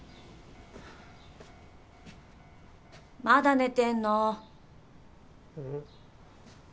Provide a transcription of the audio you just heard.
まだ寝てんの？